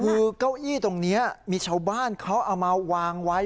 คือเก้าอี้ตรงนี้มีชาวบ้านเขาเอามาวางไว้